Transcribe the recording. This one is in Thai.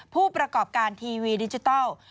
ผู้ประกอบการทีวีดิจิทัล